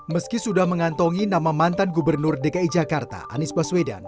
meski sudah mengantongi nama mantan gubernur dki jakarta anies baswedan